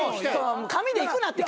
紙でいくなって。